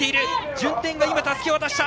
順天がたすきを渡した。